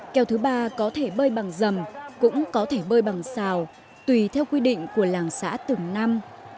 kèo thứ ba có thể bơi bằng dầm cũng có thể bơi bằng xào tùy theo quy định của làng xã từng năm